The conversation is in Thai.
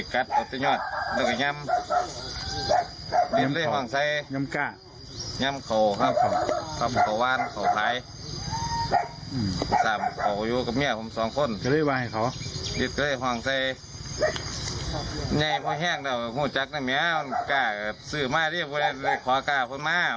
ก็เลยห่างใจในนี้พ่อแห้งเราผู้จักรหน้านี่ในแม่บ้างในนี้ขัวเรขวะมา